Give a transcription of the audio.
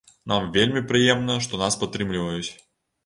Нам вельмі прыемна, што нас падтрымліваюць.